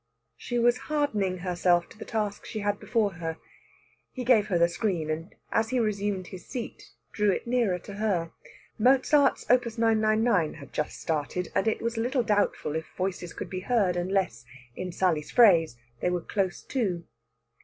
She was hardening herself to the task she had before her. He gave her the screen, and as he resumed his seat drew it nearer to her. Mozart's Op. 999 had just started, and it was a little doubtful if voices could be heard unless, in Sally's phrase, they were close to.